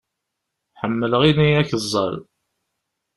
Ḥemmelaɣ ini akeẓẓal.